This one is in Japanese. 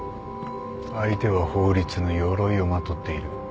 相手は法律のよろいをまとっている。